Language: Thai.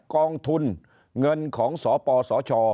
กองทุนเงินของสปสช